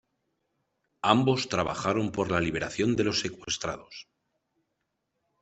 Ambos trabajaron por la liberación de los secuestrados.